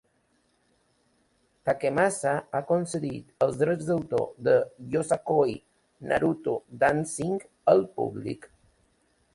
Takemasa ha concedit els drets d'autor de "Yosakoi Naruko Dancing" al públic.